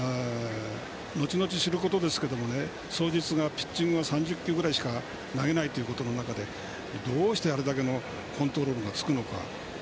後々知ることですが早実がピッチングは３０球ぐらいしか投げない中でどうしてあれだけのコントロールがつくのか。